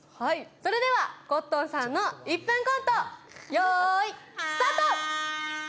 それではコットンさんの１分コント用意、スタート！